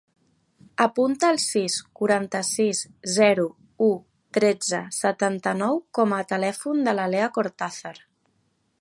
Apunta el sis, quaranta-sis, zero, u, tretze, setanta-nou com a telèfon de la Lea Cortazar.